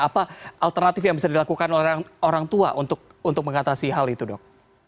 apa alternatif yang bisa dilakukan orang tua untuk mengatasi hal itu dok